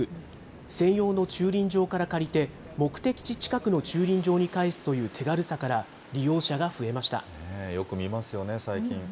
専用の駐輪場から借りて、目的地近くの駐輪場に返すという手軽さから、利用者が増えました。